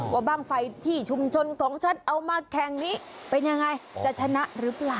ว่าบ้างไฟที่ชุมชนของฉันเอามาแข่งนี้เป็นยังไงจะชนะหรือเปล่า